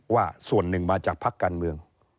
ว่าส่วนหนึ่งมาจากพักการเมือง